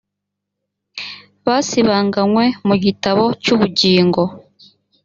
basibanganywe mu gitabo cy ubugingo